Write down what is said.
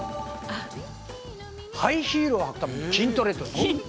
ハイヒールを履くために筋トレ。